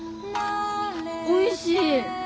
おいしい。